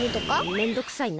めんどくさいな。